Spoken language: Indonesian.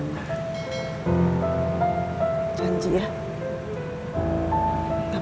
si mama yang disalahin